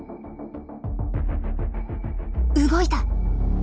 動いた！